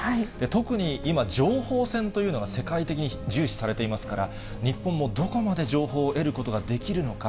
特に、今、情報戦というのが世界的に重視されていますから、日本もどこまで情報を得ることができるのか。